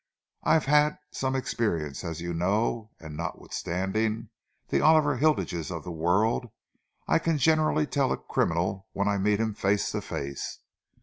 "I've had some experience, as you know, and, notwithstanding the Oliver Hilditch's of the world, I can generally tell a criminal when I meet him face to face.